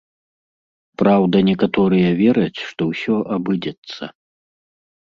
Праўда, некаторыя вераць, што ўсё абыдзецца.